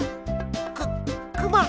くくま！